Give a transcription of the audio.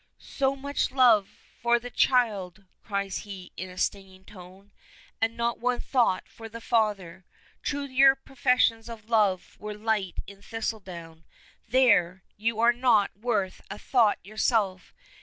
"So much love for the child," cries he in a stinging tone, "and not one thought for the father. Truly your professions of love were light as thistledown. There! you are not worth a thought yourself.